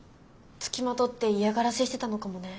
付きまとって嫌がらせしてたのかもね。